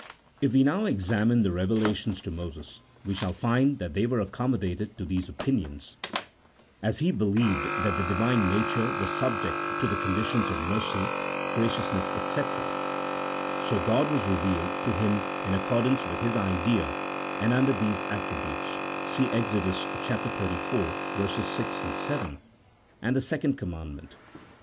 If we now examine the revelations to Moses, we shall find that they were accommodated to these opinions ; as he believed that the Divine Nature was subject to the con ditions of mercy, graciousness, &c, so God was revealed to him in accordance with his idea and under these attri butes (see Exodus xxxiv. 6, 7, and the second command ment).